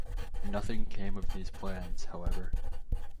Nothing came of these plans, however.